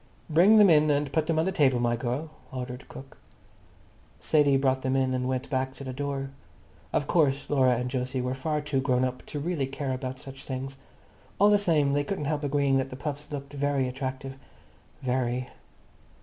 "Bring them in and put them on the table, my girl," ordered cook. Sadie brought them in and went back to the door. Of course Laura and Jose were far too grown up to really care about such things. All the same, they couldn't help agreeing that the puffs looked very attractive. Very.